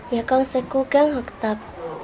nhà con sẽ cố gắng học tập